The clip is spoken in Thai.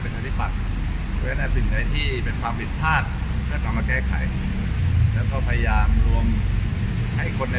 ก็ช่วยงานนี่คือเป้าหมายเลยครับ